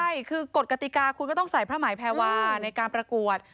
ใช่คือกฎกติกาคุณก็ต้องใส่พระไหมแพรวาในการประกวด